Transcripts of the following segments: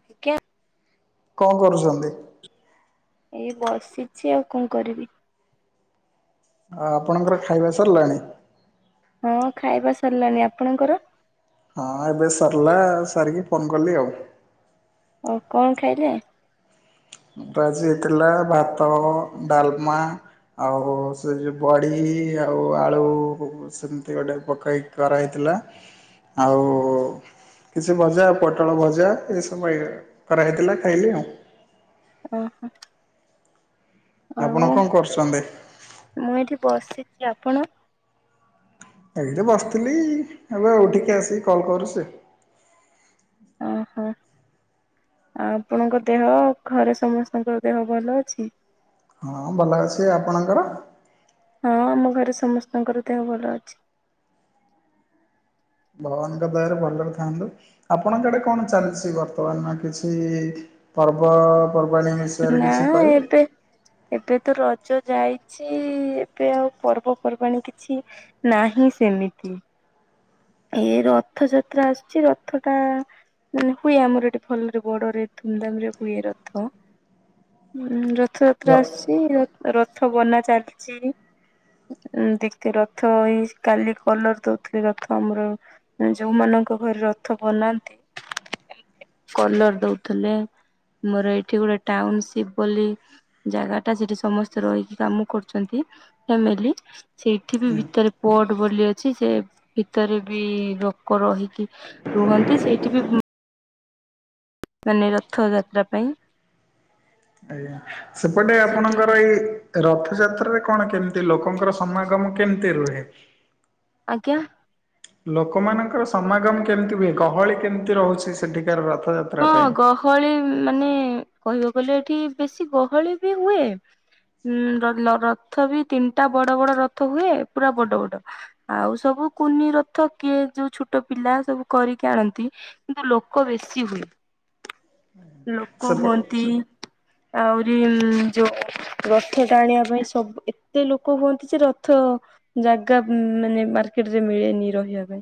[unintelligible] କଣ କରୁଛନ୍ତି? ଏଇ ବସିଛି, ଆଉ କଣ କରିବି? ଆ ଆପଣଙ୍କର ଖାଇବା ସରିଲାଣି? ହଁ ଖାଇବା ସରିଲାଣି, ଆପଣଙ୍କର? ହଁ ଏବେ ସରିଲା ଆଉ, ସାରିକି ଫୋନ କଲି ଆଉ। ଓ କଣ ଖାଇଲେ? ମୁଁ ତ ଆଜି ଏକଲା, ଭାତ, ଡାଲମା ଆଉ ସେ ଯୋଉ ବଡ଼ି ଆଉ ଆଳୁ ସେମିତି ଗୋଟେ ପକେଇ କରାହେଇଥିଲା, ଆଉ କିଛି ଭଜା, ପୋଟଳ ଭଜା, ଏସବୁ ହେଇ - କରାହେଇଥିଲା ଖାଇଲି ଆଉ ଓହୋ। ଆପଣ କଣ କରୁଛନ୍ତି? ମୁଁ ଏଠି ବସିଛି ଆପଣ? ଏଇଠି ବସିଥିଲି, ଏବେ ଉଠିକି ଆସିକି କଲ୍ କରୁଛି। ଅ ହ। ଆ ଆପଣଙ୍କ ଦେହ, ଘରେ ସମସ୍ତଙ୍କ ଦେହ ଭଲ ଅଛି? ହଁ ଭଲ ଅଛି, ଆପଣଙ୍କର? ହଁ, ଆମ ଘରେ ସମସ୍ତଙ୍କର ଦେହ ଭଲ ଅଛି। ଭଗବାନଙ୍କ ଦୟା ରେ ଭଲରେ ଥାନ୍ତୁ, ଆପଣଙ୍କଆଡେ କଣ ଚାଲିଛି ବର୍ତ୍ତମାନ କିଛି? ପର୍ବପର୍ବାଣି ମିଶି ନାଇ ଏବେ ଏବେ ତ ରଜ ଯାଇଛି, ଏବେ ଆଉ ପର୍ବପର୍ବାଣି କିଛି ନାହିଁ ସେମିତି। ଏ ରଥଯାତ୍ରା ଆସୁଛି, ରଥ ଟା ମାନେ ହୁଏ, ଆମର ଏଠି ଭଲରେ ବଡରେ ଧୁମଧାମ ରେ ହୁଏ ରଥ। ହଁ ରଥଯାତ୍ରା ଆସିଛି, ରଥ ବନା ଚାଲିଛି। ଉ ଦେଖଥିଲ ରଥ ଏଇ କାଲି କଲର ଦଉଥିଲି ରଥ। ଆମର ଯୋଉମାନଙ୍କ ଘରେ ରଥ ବନାନ୍ତି? କଲର ଦଉଥିଲେ, ମୋର ଏଇଠି ଗୋଟେ ଟାଉନସିପ ବୋଲି ଜାଗା ଟା ସେଠି ସମସ୍ତେ ରହିକି କାମ କରୁଛନ୍ତି, ଫ୍ୟାମିଲି ସେଇଠି ବି ଭିତରେ ପୋଟ ବୋଲି ଅଛି ସେ ଭିତରେ ବି ଲୋକ ରହିକି ରୁହନ୍ତି, ସେଇଠି ବି ମାନେ ରଥ ଯାତ୍ରା ପାଇଁ। ଆଜ୍ଞା, ସେପଟେ ସେଠି ଆପଣଙ୍କର ଏଇ ରଥଯାତ୍ରାରେ କଣ କେମିତି ଲୋକ ଙ୍କର ସମାଗମ କେମିତି ରୁହେ? ଆଜ୍ଞା। ଲୋକମାନଙ୍କର ସମାଗମ କେମିତି ହୁଏ? ଗହଳି କେମିତି ରହୁଛି ସେଠିକାର ରଥଯାତ୍ରା? ହଁ ପାଇଁ? ଗହଳି ମାନେ କହିବାକୁ ଗଲେ ଏଠି ବେଶୀ ଗହଳି ବି ହୁଏ। ହଁ ରଥ ବି ତିନିଟା ବଡ ବଡ ରଥ ହୁଏ, ପୁରା ବଡ ବଡ। ଆଉ ସବୁ କୁନି ରଥ କିଏ ଯୋଉ ଛୋଟ ପିଲା ସବୁ କରିକି ଆଣନ୍ତି। କିନ୍ତୁ ଲୋକ ବେଶୀ ହୁଏ। ଲୋକ ସେପ ହୁଅନ୍ତି। ଆହୁରି ଯୋଉ ରଥ ଟାଣିବା ପାଇଁ ସବୁ, ଏତେ ଲୋକ କୁହନ୍ତି ଯେ ରଥ ଜାଗା ମାନେ ମାର୍କେଟ ରେ ମିଳେନି ରହିବା ପାଇଁ।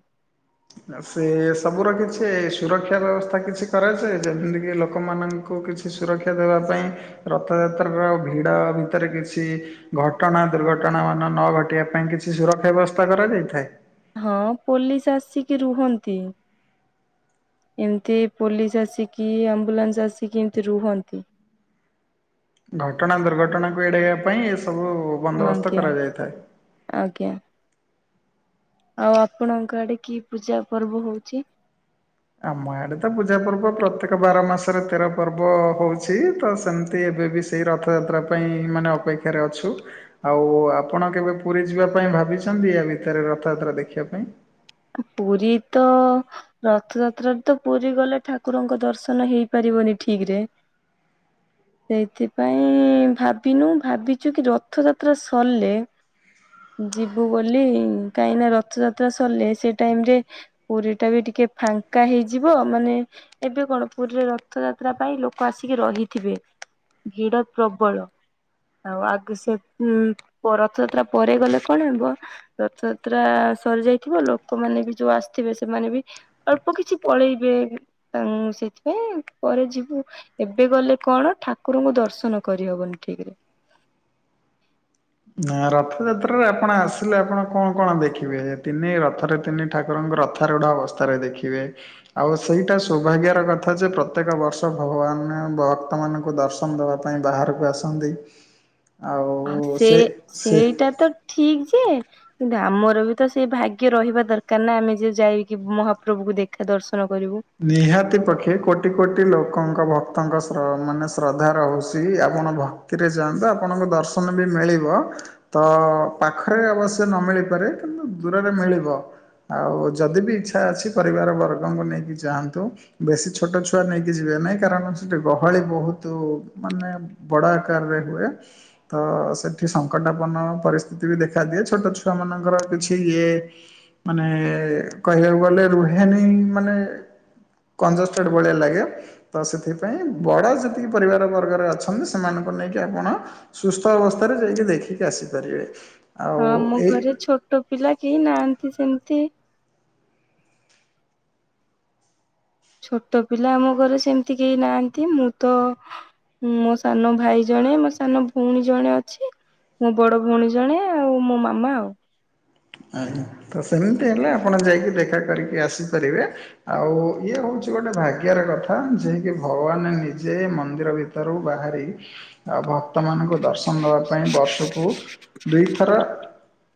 [unintelligible] ଏ ସବୁର କିଛି ସୁରକ୍ଷା ବ୍ୟବସ୍ଥା କିଛି କରାଯାଏ? ଯେମିତି କି ଲୋକମାନଙ୍କୁ କିଛି କି ସୁରକ୍ଷା ଦେବା ପାଇଁ ରଥଯାତ୍ରାର ଆଉ ଭିଡ଼ ଭିତରେ କିଛି ଘଟଣା ଦୁର୍ଘଟଣା ମାନ ନ ଘଟିବା ପାଇଁ କିଛି ସୁରକ୍ଷା ବ୍ୟବସ୍ଥା କରାଯାଇଥାଏ? ହଁ ପୋଲିସ ଆସିକି ରୁହନ୍ତି। ଏମିତି ପୋଲିସ ଆସିକି, ଆମ୍ବୁଲାନ୍ସ ଆସିକି ଏମିତି ରୁହନ୍ତି। ଘଟଣା, ଦୁର୍ଘଟଣାକୁ ଏଡ଼ାଇବା ପାଇଁ ଏସବୁ ବନ୍ଦୋବସ୍ତ ଆଜ୍ଞା କରାଯାଇଥାଏ। ଆଜ୍ଞା। ଆଉ ଆପଣଙ୍କ ଆଡ଼େ କି ପୂଜା ପର୍ବ ହଉଛି? ଆମ ଆଡ଼େ ତ ପୂଜା ପର୍ବ ପ୍ରତ୍ୟେକ ବାର ମାସରେ ତେର ପର୍ବ ହଉଛି ତ ସେମିତି ଏବେ ବି ସେଇ ରଥଯାତ୍ରା ପାଇଁ ମାନେ ଅପେକ୍ଷାରେ ଅଛୁ। ଆଉ ଆପଣ କେବେ ପୁରୀ ଯିବା ପାଇଁ ଭାବିଛନ୍ତି, ୟା ଭିତରେ ରଥଯାତ୍ରା ଦେଖିବା ପାଇଁ? ପୁରୀ ତ ରଥଯାତ୍ରା ତ ପୁରୀ ଗଲେ ଠାକୁରଙ୍କ ଦର୍ଶନ ହେଇପାରିବନି ଠିକ ରେ। ସେଇଥିପାଇଁ ଭାବିନୁ, ଭାବିଛୁ କି ରଥଯାତ୍ରା ସରିଲେ ଯିବୁ ବୋଲି। କାହିଁକି ନା ରଥଯାତ୍ରା ସରିଲେ ସେ ଟାଇମ ରେ ପୁରୀ ଟା ବି ଟିକେ ଫାଙ୍କା ହେଇଯିବ ମାନେ ଏବେ କଣ ପୁରୀରେ ରଥଯାତ୍ରା ପାଇଁ ଲୋକ ଆସିକି ରହିଥିବେ। ଭିଡ଼ ପ୍ରବଳ। ଆଉ ଆଗ ସେ ଉ ରଥଯାତ୍ରା ପରେ ଗଲେ କଣ ହେବ ରଥଯାତ୍ରା ସରି ଯାଇଥିବ, ଲୋକମାନେ ବି ଯୋଉ ଆସିଥିବେ ସେମାନେ ବି ଅଳ୍ପ କିଛି ପଳେଇବେ ତାଙ୍କୁ ସେଇଥିପାଇଁ ପରେ ଯିବୁ। ଏବେ ଗଲେ କଣ ଠାକୁରଙ୍କୁ ଦର୍ଶନ କରିହବନି ଠିକ ରେ। ନା ରଥଯାତ୍ରାରେ ଆପଣ ଆସିଲେ ଆପଣ କଣ କଣ ଦେଖିବେ ତିନି ରଥରେ ତିନି ଠାକୁରଙ୍କ ରଥାରୂଢ଼ ଅବସ୍ଥାରେ ଦେଖିବେ। ଆଉ ସେଇଟା ସୌଭାଗ୍ୟର କଥା ଯେ ପ୍ରତ୍ୟେକ ବର୍ଷ ଭଗବାନ ଭକ୍ତ ମାନଙ୍କୁ ଦର୍ଶନ ଦେବା ପାଇଁ ବାହାରକୁ ଆସନ୍ତି। ଆଉ ସେ ସେଇଟା ତ ଠିକ ଯେ କିନ୍ତୁ ଆମର ବି ତ ସେଇ ଭାଗ୍ୟ ରହିବା ଦରକାର ନା, ଆମେ ଯ ଯାଇକି ମହାପ୍ରଭୁକୁ ଦେଖା ଦର୍ଶନ କରିବୁ। ନିହାତି ପକ୍ଷେ କୋଟି କୋଟି ଲୋକଙ୍କ ଭକ୍ତଙ୍କ ମାନେ ଶ୍ରଦ୍ଧା ରହୁଛି ଆପଣ ଭକ୍ତି ରେ ଯାଆନ୍ତୁ ଆପଣଙ୍କୁ ଦର୍ଶନ ବି ମିଳିବ। ତ ପାଖରେ ଅବଶ୍ୟ ନ ମିଳିପାରେ କିନ୍ତୁ ଦୂରରେ ମିଳିବ। ଆଉ ଯଦି ବିି ଇଚ୍ଛା ଅଛି ପରିବାର ବର୍ଗଙ୍କୁ ନେଇକି ଯାଆନ୍ତୁ। ବେଶୀ ଛୋଟ ଛୁଆ ନେଇକି ଯିବେ ନାହିଁ କାରଣ ସେଠି ଗହଳି ବହୁତ ମାନେ ବଡ଼ ଆକାର ରେ ହୁଏ। ତ ସେଠି ସଙ୍କଟାପନ୍ନ ପରିସ୍ଥିତି ବି ଦେଖାଦିଏ। ଛୋଟ ଛୁଆମାନଙ୍କର କିଛି ଇଏ ମାନେ କହିବାକୁ ଗଲେ ରୁହେନି ମାନେ କଞ୍ଜଷ୍ଟେଡ଼୍ ଭଳିଆ ଲାଗେ। ତ ସେଥିପାଇଁ ବଡ଼ ଯେତିକି ପରିବାର ବର୍ଗରେ ଅଛନ୍ତି ସେମାନଙ୍କୁ ନେଇକି ଆପଣ ସୁସ୍ଥ ଅବସ୍ଥାରେ ଯାଇକି ଦେଖିକି ଆସିପାରିବେ। ହଁ ଆଉ ଆମ ଏଇ ଘରେ ଛୋଟ ପିଲା କେହି ନାହାନ୍ତି ସେମତି। ଛୋଟ ପିଲା ଆମ ଘରେ ସେମିତି କେହି ନାହାଁନ୍ତି ମୁଁ ତ ମୋ ସାନ ଭାଇ ଜଣେ, ମୋ ସାନ ଭଉଣୀ ଜଣେ ଅଛି। ମୋ ବଡ ଭଉଣୀ ଜଣେ ଆଉ ମୋ ମାମା ଆଉ। ଆଜ୍ଞା। ତ ସେମିତି ହେଲେ ଆପଣ ଯାଇକି ଦେଖା କରିକି ଆସିପାରିବେ। ଆଉ ଇଏ ହଉଛି ଗୋଟେ ଭାଗ୍ୟର କଥା ଯେକି ଭଗବାନ ନିଜେ ମନ୍ଦିର ଭିତର- ଭିତରୁ ବାହାରି ଆଉ ଭକ୍ତ ମାନଙ୍କୁ ଦର୍ଶନ ଦବା ପାଇଁ ବର୍ଷକୁ ଦୁଇଥର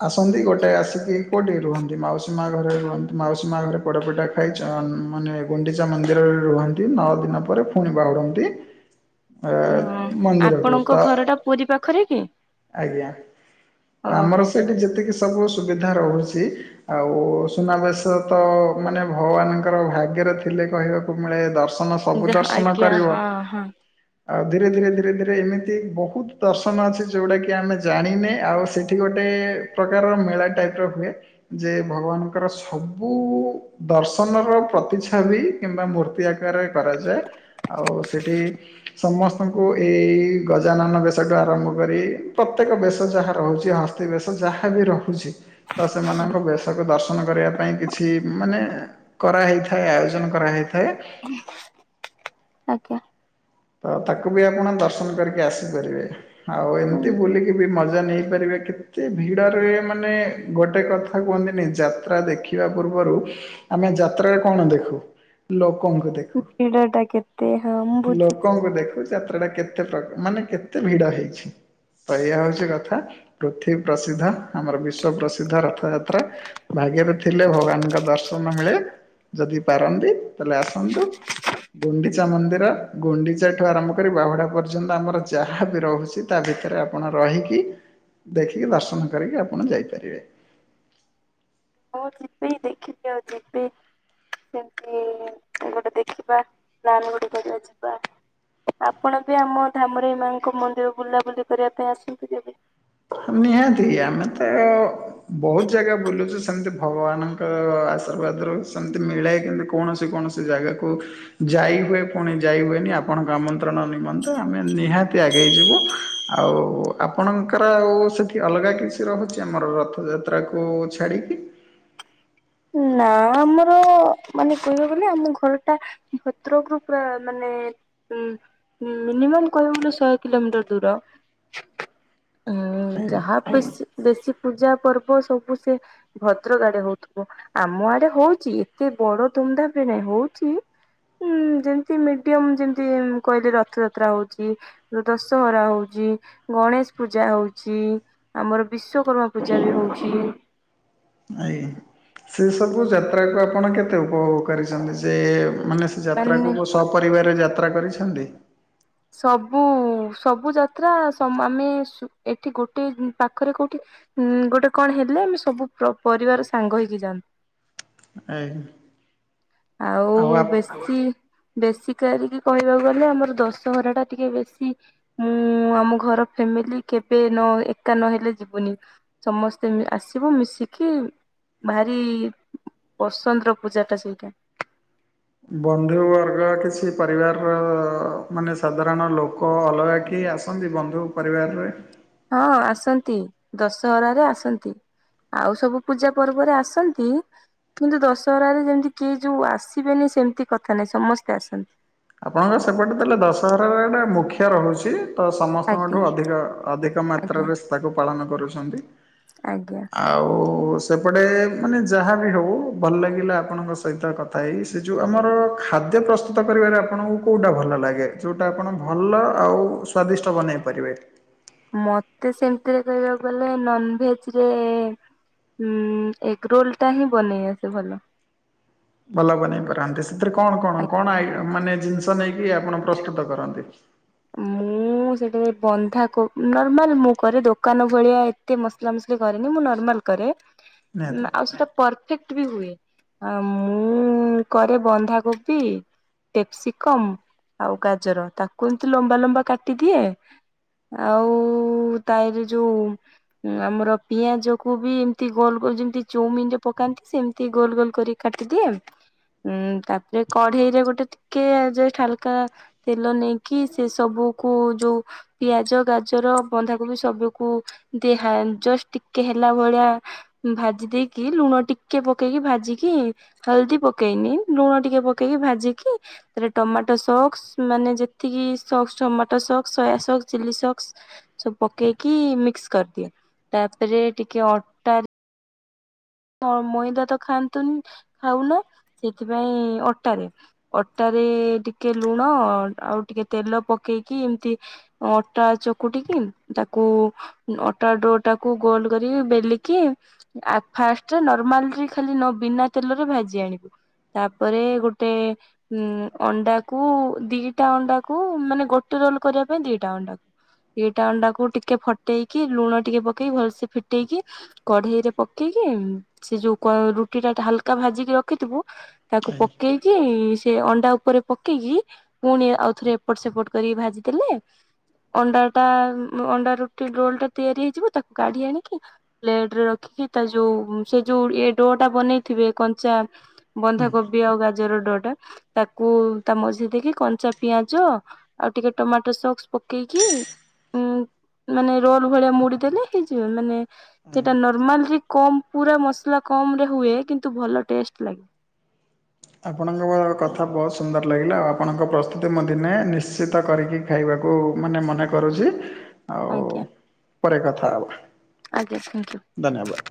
ଆସନ୍ତି ଗୋଟେ ଆସିକି କେଉଁଠି ରୁହନ୍ତି ମାଉସୀ ମା ଘରେ ରୁହନ୍ତି ମାଉସୀ ମା ଘରେ ପୋଡ଼ପଠା ଖାଇ ଚାନ୍ ମାନେ ଗୁଣ୍ଡିଚା ମନ୍ଦିରରେ ରୁହନ୍ତି ନଅ ଦିନ ପରେ ପୁଣି ବାହୁଡ଼ନ୍ତି। ହଁ ତ ଆପଣଙ୍କ ଘର ଟା ପୁରୀ ପାଖରେ କି? ଆଜ୍ଞା ଆମର ଓହୋ ସେଠି ଯେତିକି ସବୁ ସୁବିଧା ରହୁଛି। ଆଉ ସୁନାବେଶ ତ ମାନେ ଭଗବାନଙ୍କର ଭାଗ୍ୟରେ ଥିଲେ କହିବାକୁ ମିଳେ ଦର୍ଶନ ସବୁ ଦର୍ଶନ ଆଜ୍ଞା କରିବ। ହଁ ହଁ। ଆଉ ଧୀରେ ଧୀରେ ଧୀରେ ଧୀରେ ଏମିତି ବହୁତ ଦର୍ଶନ ଅଛି ଯୋଉଟା କି ଆମେ ଜାଣିନେ ଆଉ ସେଠି ଗୋଟେ ପ୍ରକାରର ମେଳା ଟାଇପ ର ହୁଏ। ଯେ ଭଗବାନଙ୍କର ସବୁ ଦର୍ଶନର ପ୍ରତିଛାବି କିମ୍ବା ମୂର୍ତ୍ତି ଆକାରରେ କରାଯାଏ। ଆଉ ସେଠି ସମସ୍ତଙ୍କୁ ଏଇ ଗଜାନନ ବେଶଠୁ ଆରମ୍ଭ କରି ପ୍ରତ୍ୟେକ ବେଶ ଯାହା ରହୁଛି ହସ୍ତି ବେଶ ଯାହା ବି ରହୁଛି ତ ସେମାନଙ୍କ ବେଶକୁ ଦର୍ଶନ କରିବା ପାଇଁ କିଛି ମାନେ କରାହେଇଥାଏ ଆୟୋଜନ କରାହେଇଥାଏ। ଆଜ୍ଞା। ତ ତାକୁ ବି ଆପଣ ଦର୍ଶନ କରିକି ଆସିପାରିବେ। ଆଉ ହୁଁ। ଏମତି ବୁଲିକି ବି ମଜା ନେଇ ପାରିବେ କେତେ ଭିଡରେ ମାନେ ଗୋଟେ କଥା କୁହନ୍ତିନି ଯାତ୍ରା ଦେଖିବା ପୂର୍ବରୁ ଆମେ ଯାତ୍ରାରେ କଣ ଦେଖୁ ଲୋକଙ୍କୁ ଦେଖୁ ଭିଡ ଟା କେତେ ହଁ ମୁଁ ଲୋ ବୁଝିଛି ତମକୁ ଦେଖୁ ଯାତ୍ରା ଟା କେତେ ପ୍ର ମାନେ କେତେ ଭିଡ ହେଇଛି। ତ ଏୟା ହଉଛି କଥା ପୃଥିବୀ ପ୍ରସିଦ୍ଧ ଆମର ବିଶ୍ଵ ପ୍ରସିଦ୍ଧ ରଥଯାତ୍ରା। ଭାଗ୍ୟରେ ଥିଲେ ଭଗବାନଙ୍କ ଦର୍ଶନ ମିଳେ ଯଦି ପାରନ୍ତି ତାହେଲେ ଆସନ୍ତୁ। ଗୁଣ୍ଡିଚା ମନ୍ଦିର ଗୁଣ୍ଡିଚ ସେଠୁ ଆରମ୍ଭ କରି ବାହୁଡା ପର୍ଯ୍ୟନ୍ତ ଆମର ଯାହା ବି ରହୁଛି ତା ଭିତରେ ଆପଣ ରହିକି ଦେଖିକି ଦର୍ଶନ କରିକି ଆପଣ ଯାଇପାରିବେ। ହଉ ଯିବି ଦେଖିବି ଆଉ ଯିବି। [unintelligible] ଦେଖିବା ପ୍ଲାନ୍ ଗୋଟେ କରିବା ଯିବା। ଆପଣ ବି ଆମ ଧାମରେ ମାଙ୍କ ମନ୍ଦିର ବୁଲାବୁଲି କରିବା ପାଇଁ ଆସି ଯିବେ। ନିହାତି ଆମେ ତ ବହୁତ ଜାଗା ବୁଲୁଛୁ ସେମିତି ଭଗବାନ ଆଶୀର୍ବାଦରୁ ସେମିତି ମିଳେଏ କିମତି କୌଣସି କୌଣସି ଜାଗାକୁ ଯାଇ ହୁଏ ପୁଣି ଯାଇ ହୁଏନି ଆପଣଙ୍କ ଆମନ୍ତ୍ରଣ ନିମନ୍ତେ ଆମେ ନିହାତି ଆଗେଇ ଯିବୁ। ଆଉ ଆପଣଙ୍କ ଙ୍କର ଆଉ ସେଠି ଅଲଗା କିଛି ରହୁଛି ଆମର ରଥଯାତ୍ରାକୁ ଛାଡ଼ିକି। ନା ଆମର ମାନେ କହିବାକୁ ଗଲେ ଆମ ଘରଟା ଭଦ୍ରକ ରୁ ପୁରା ମାନେ ଉଁ ମିନିମମ୍ କହିବାକୁ ଗଲେ ଶହେ କିଲୋମିଟର ଦୂର। ଉଁ ଆଜ୍ଞା ଯାହା ବେଶୀ ବେଶୀ ପୂଜା ପର୍ବ ସବୁ ସେ ଭଦ୍ରକ ଆଡ଼େ ହଉଥିବ। ଆମ ଆଡ଼େ ହଉଛି ଏତେ ବଡ଼ ଧୁମଧାମ ରେ ନାଇଁ ହଉଛି ହଁ ଯେମିତି ମିଡିୟମ ଯେମିତି କହିଲେ ରଥଯାତ୍ରା ହଉଛି ଦଶହରା ହଉଛି, ଗଣେଶ ପୂଜା ହଉଛି ଆମର ବିଶ୍ଵକର୍ମା ପୂଜା ବି ହଉଛି। ଆ ସେ ସବୁ ଯାତ୍ରାକୁ ଆପଣ କେତେ ଉପଭୋଗ କରିଛନ୍ତି ଯେ ମାନେ ସେ ମାନେ ଯାତ୍ରାକୁ ସପରିବାରରେ ଯାତ୍ରା କରିଛନ୍ତି। ସବୁ ସବୁ ଯାତ୍ରା ଆମେ ଏଠି ଗୋଟେ ପାଖରେ କୋଉଠି ହଁ ଗୋଟେ କଣ ହେଲେ ଆମେ ସବୁ ପରିବାର ସାଙ୍ଗ ହେଇକି ଯାଆନ୍ତୁ। [unintelligible] ଆଉ ବେଶୀ ବେଶୀ କରି କହିବାକୁ ଗଲେ ଆମର ଦଶହରା ଟା ଟିକେ ବେଶୀ ମୁଁ ଆମ ଘର ଫ୍ୟାମିଲି କେବେ ନ ଏକା ନହେଲେ ଯିବୁନି। ସମସ୍ତେ ଆସିବୁ ମିଶିକି ଭାରି ବସନ୍ତର ପୂଜା ଟା ସେଇଟା। ବନ୍ଧୁ ବର୍ଗ କିଛି ପରିବାରର ମାନେ ସାଧାରଣ ଲୋକ ଅଲଗା କି ଆସ ଆସନ୍ତି ବନ୍ଧୁ ପରିବାରରେ ହଁ ଆସନ୍ତି ଦଶହରାରେ ଆସନ୍ତି। ଆଉ ସବୁ ପୂଜା ପର୍ବରେ ଆସନ୍ତି। କିନ୍ତୁ ଦଶହରାରେ ଯେମିତି କିଏ ଯୋଉ ଆସିବେନି ସେମିତି କଥା ନାହିଁ ସମସ୍ତେ ଆସନ୍ତି। ଆପଣଙ୍କ ସେପଟେ ତାହେଲେ ଦଶହରଟା ମୁଖ୍ୟ ରହୁଛି। ତ ସମସ୍ତଙ୍କଠୁ ଆଜ୍ଞା ଅଧିକ ଅଧିକ ଆଜ୍ଞା ମାତ୍ରାରେ ତାକୁ ପାଳନ କରୁଛନ୍ତି। ଆଜ୍ଞା। ଆଉ ସେପଟେ ମାନେ ଯାହାବି ହେଉ ଭଲ ଲାଗିଲା ଆପଣଙ୍କ ସହିତ କଥା ହେଇ। ସେ ଯେଉଁ ଆମର ଖାଦ୍ୟ ପ୍ରସ୍ତୁତ କରିବାରେ ଆପଣଙ୍କୁ କଉଟା ଭଲ ଲାଗେ ଯଉଟା ଆପଣ ଭଲ ଆଉ ସ୍ଵାଦିଷ୍ଟ ବନେଇ ପାରିବେ? ମତେ ସେମିତିରେ କହିବାକୁ ଗଲେ ନନଭେଜରେ ଉଁ ଏଗରୋଲ ଟା ହିଁ ବନେଇ ଆସେ ଭଲ। ଭଲ ବନେଇ ପାରନ୍ତି। ସେଥିରେ କଣ କଣ କଣ ମାନେ ଜିନିଷ ନେଇକି ଆପଣ ପ୍ରସ୍ତୁତ କରନ୍ତି? ମୁଁ ସେଠାରେ ବନ୍ଧା କୋ ନର୍ମାଲ ମୁଁ କରେ ଦୋକାନ ଭଳିଆ ଏତେ ମସଲା ମସଲି କରେନି ମୁଁ ନର୍ମାଲ କରେ ନିହାତି ଆଉ ସେଟା ପରଫେକ୍ଟ ବି ହୁଏ। ଆ ମୁଁ କରେ ବନ୍ଧାକୋବି ଟେସ୍କିକମ ଆଉ ଗାଜର ତାକୁ ଏମିତି ଲମ୍ବା ଲମ୍ବା କାଟିଦିଏ। ଆଉ ତାରରେ ଯୋଉ ହଁ ଆମର ପିଆଜକୁୁ ବି ଏମିତି ଗୋଲ ଗୋଲ ଯେମିତି ଚଉମିନ ରେ ପକାନ୍ତି ସେମିତି ଗୋଲ ଗୋଲ କରି କାଟିଦିଏ ଉଁ ତାପରେ କଢ଼େଇରେ ଗୋଟେ ଟିକେ ଜଷ୍ଟ ହାଲକା ତେଲ ନେଇକି ସେ ସବୁକୁ ଯୋଉ ପିଆଜ ଗାଜର ବନ୍ଧାକୋବିକୁ ସବୁକୁ ଦେ ହାଏ ଜଷ୍ଟ ଟିକେ ହେଲା ଭଳିଆ ଭାଜି ଦେଇକି ଲୁଣ ଟିକେ ପକେଇକି ଭାଜିକି ହଲଦି ପକେଇନି ଲୁଣ ଟିକେ ପକେଇକି ଭାଜିକି ତାରେ ଟମାଟୋ ସକ୍ସ ମାନେ ଯେତିକି ସକ୍ ଟମାଟୋ ସକ୍ ସୟା ସକ୍ସ ଚିଲି ସକ୍ ସବୁ ପକେଇକି ମିକ୍ସ କରିଦିଏ ତାପରେ ଟିକେ ଅଳ୍ପ ମଇଦା ତ ଖାଆନ୍ତୁନି ଖାଉନ ସେଥିପାଇଁ ଅଟାରେ ଅଟାରେ ଟିକେ ଲୁଣ ଆଉ ଟିକେ ତେଲ ପକେଇକି ଏମିତି ଅଟା ଚକୁଟିକି ତାକୁ ଅଟା ଡୋ ଟାକୁ ଗୋଲ କରି ବେଲିକି ଆ ଫାଷ୍ଟ ନର୍ମାଲ ଖାଲି ବିନା ତେଲରେ ଭାଜି ଆଣିବୁ ତାପରେ ଗୋଟେ ଉଁ ଅଣ୍ଡାକୁ ଦିଟା ଅଣ୍ଡାକୁ ମାନେ ଗୋଟେ ରୋଲ କରିବା ପାଇଁ ଦିଟା ଅଣ୍ଡାକୁ ଏଇଟା ଅଣ୍ଡାକୁ ଟିକେ ଫଟେଇକି ଲୁଣ ଟିକେ ପକେଇି ଭଲସେ ଫିଟେଇକି କଢେଇ ରେ ପକେଇକି ସେ ଯୋଉ ରୁଟି ଟା ହାଲକା ଭାଜିକି ରଖିଥିବୁ ତାକୁ ଆଜ୍ଞା। ପକେଇକି କି ସେ ଅଣ୍ଡା ଉପରେ ପକେଇକି ପୁଣି ଆଉ ଥରେ ଏପଟ ସେପଟ କରି ଭାଜିଦେଲେ ଅଣ୍ଡା ଟା ଅଣ୍ଡା ରୁଟି ରୋଲ ଟା ତିଆରି ହେଇଯିବ ତାକୁ କାଢି ଆଣିକି ପ୍ଲେଟରେ ରଖିକି ତା ଯୋଉ ସେ ଯୋଉ ଡୋ ଟା ବନେଇଥିବେ କଞ୍ଚା ବନ୍ଧାକୋବି ଆଉ ଗାଜର ଡ ଟା ତାକୁ ତା ମଝି ଦେଇକି କଞ୍ଚା ପିଆଜ ଆଉ ଟିକେ ଟମାଟୋ ସକ୍ସ ପକେଇକି ଉଁ ମାନେ ରୋଲ ଭଳିଆ ମୁଡିଦେଲେ ହେଇଯିବ ମାନେ ସେଟା ନର୍ମାଲ କମ ପୁରା ମସଲା କମ ରେ ହୁଏ କିନ୍ତୁ ଭଲ ଟେଷ୍ଟ ଲାଗେ। ଆପଣଙ୍କ କଥା ବହୁତ ସୁନ୍ଦର ଲାଗିଲା ଆଉ ଆପଣଙ୍କ ପ୍ରସ୍ତୁତି ମୁଁ ଦିନେ ନିଶ୍ଚିତ କରିକି ଖାଇବାକୁ ମାନେ ମନେ କରୁଛି। ଆଉ ଆଜ୍ଞା ପରେ କଥା ହେବା ଆଜ୍ଞା ଥ୍ୟାଙ୍କୟୁ। ଧନ୍ୟବାଦ।